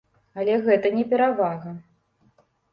Але гэта не перавага.